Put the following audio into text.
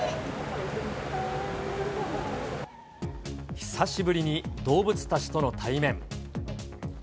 久しぶりに動物たちとの対面。